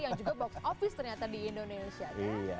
yang juga box office ternyata di indonesia